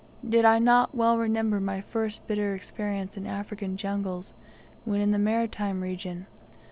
Did I not well remember ' my first bitter experience in African jungles when in the maritime region!